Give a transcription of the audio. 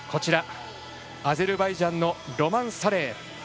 アゼルバイジャンのロマン・サレイ。